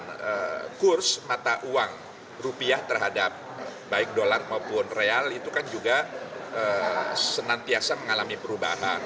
dan kurs mata uang rupiah terhadap baik dolar maupun real itu kan juga senantiasa mengalami perubahan